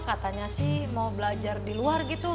katanya sih mau belajar di luar gitu